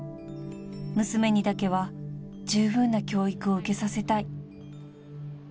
［娘にだけはじゅうぶんな教育を受けさせたい］